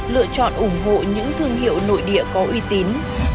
lựa chọn ủng hộ những thương hiệu nội địa có uy tín